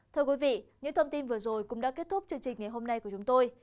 thưa quý vị những thông tin vừa rồi cũng đã kết thúc chương trình ngày hôm nay của chúng tôi